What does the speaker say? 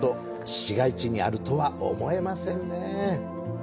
市街地にあるとは思えませんね。